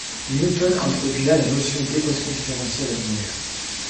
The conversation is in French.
Newton introduit là la notion d'équation différentielle ordinaire